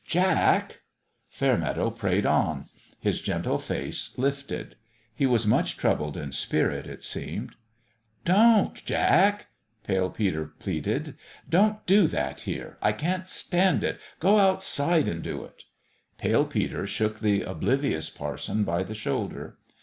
"Jack!" Fairmeadow prayed on his gentle face lifted. He was much troubled in spirit, it seemed. " Don't, Jack !" Pale Peter pleaded. " Don't do that here. I can't stand it. Go outside and do it." Pale Peter shook the oblivious parson by the shoulder.